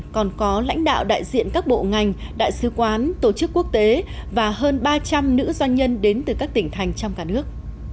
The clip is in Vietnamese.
còn có lãnh đạo đại diện các bộ ngành đại sứ quán tổ chức quốc tế và hơn ba trăm linh nữ doanh nhân đến từ các tỉnh thành trong cả nước